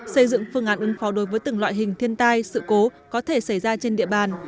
xây dựng phương án ứng phó đối với từng loại hình thiên tai sự cố có thể xảy ra trên địa bàn